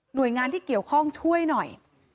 โดยงานที่เกี่ยวข้องช่วยหน่อย